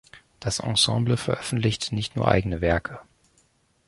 Das Ensemble veröffentlichte nicht nur eigene Werke.